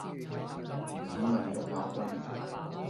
似民族矛盾